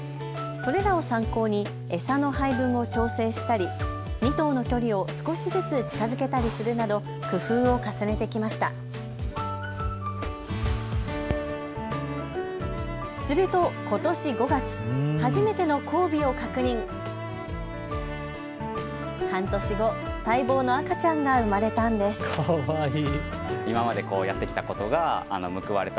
それらを参考に餌の配分を調整したり２頭の距離を少しずつ近づけたりするなど工夫を重ねてきました。